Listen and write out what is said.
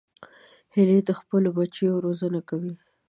هیلۍ د خپلو بچو روزنه کوي